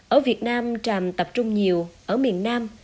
ở việt nam tràm tập trung nhiều ở miền nam